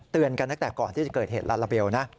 กันตั้งแต่ก่อนที่จะเกิดเหตุลาลาเบลนะ